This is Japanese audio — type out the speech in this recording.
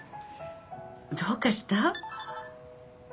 どうかした？